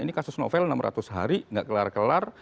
ini kasus novel enam ratus hari nggak kelar kelar